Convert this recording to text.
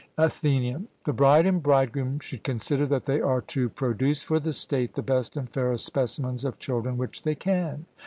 ATHENIAN: The bride and bridegroom should consider that they are to produce for the state the best and fairest specimens of children which they can.